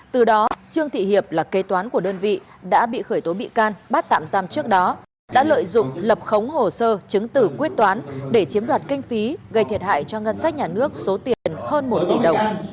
từ đó trương thị hiệp là kê toán của đơn vị đã bị khởi tố bị can bắt tạm giam trước đó đã lợi dụng lập khống hồ sơ chứng tử quyết toán để chiếm đoạt kinh phí gây thiệt hại cho ngân sách nhà nước số tiền hơn một tỷ đồng